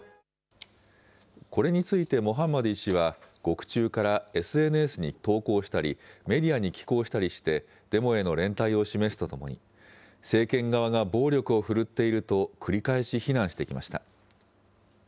これについてモハンマディ氏は獄中からＳＮＳに投稿したり、メディアに寄稿したりして、デモへの連帯を示すとともに、政権側が暴力をふるっていると繰り返し非難してきました。